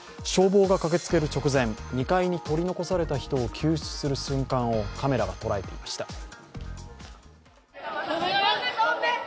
消防が駆けつける直前、２階に取り残された人を救出する瞬間をカメラが捉えていました。